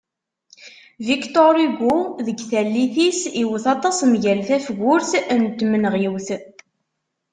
Victor Hugo deg tallit-is iwet aṭas mgal tafgurt n tmenɣiwt.